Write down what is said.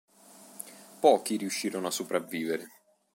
Pochi riuscirono a sopravvivere.